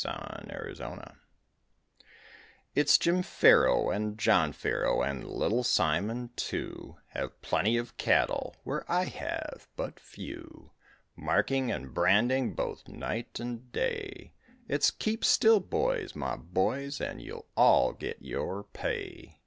JIM FARROW It's Jim Farrow and John Farrow and little Simon, too, Have plenty of cattle where I have but few. Marking and branding both night and day, It's "Keep still, boys, my boys, and you'll all get your pay."